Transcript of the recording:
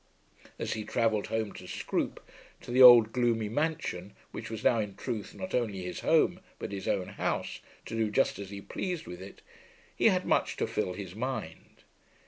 As he travelled home to Scroope, to the old gloomy mansion which was now in truth not only his home, but his own house, to do just as he pleased with it, he had much to fill his mind.